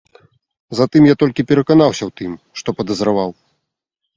Затым я толькі пераканаўся ў тым, што падазраваў.